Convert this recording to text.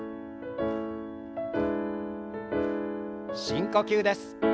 深呼吸です。